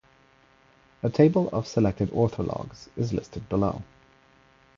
A table of selected orthologs is listed below.